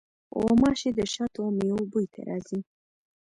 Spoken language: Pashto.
غوماشې د شاتو او میوو بوی ته راځي.